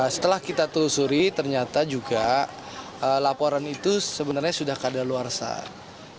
setelah kita telusuri ternyata juga laporan itu sebenarnya sudah keadaan luar saat